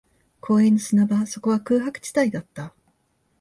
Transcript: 公園の砂場、そこは空白地帯だった